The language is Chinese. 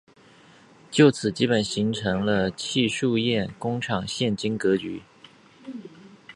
就此基本形成了戚墅堰工厂现今格局。